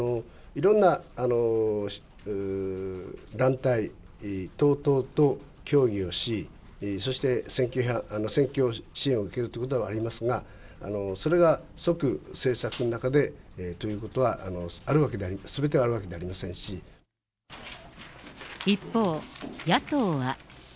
いろんな団体等々と協議をし、そして選挙支援を受けるということはありますが、それが即、政策の中でということはあるわけでは、一方、野党は。